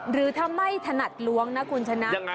หรือถ้าไม่ถนัดล้วงนะคุณชนะ